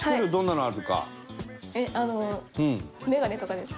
えっあの眼鏡とかですか？